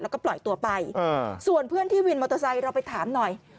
แล้วก็ปล่อยตัวไปส่วนเพื่อนที่วินมอเตอร์ไซค์เราไปถามหน่อย